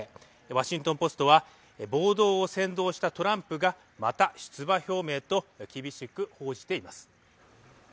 「ワシントン・ポスト」は暴動を扇動したトランプがまた出馬表明と厳しく報じています。